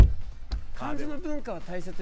漢字の文化は大切に。